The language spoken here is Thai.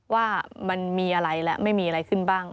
ว่ามันมีอะไรและไม่มีอะไรขึ้นบ้าง